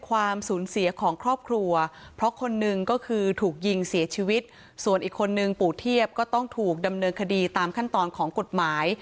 ความสูญเสียของครอบครัวเพราะคนหนึ่งก็คือถูกยิงเสียชีวิตส่วนอีกคนนึงปู่เทียบก็ต้องถูกดำเนินคดีตามขั้นตอนของกฎหมาย